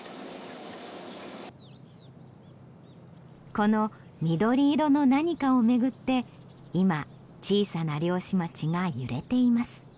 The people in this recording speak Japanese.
この緑色の何かを巡って今小さな漁師町が揺れています。